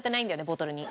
ボトルに。